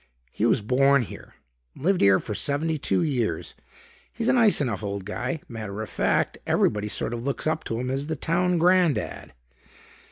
He was born here; lived here for seventy two years. He's a nice enough old guy. Matter of fact, everybody sort of looks up to him as the town granddad.